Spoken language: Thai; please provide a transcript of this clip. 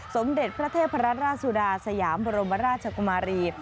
สมเด็จพระเทพรัตราชสุดาสยามบรมราชกุมารี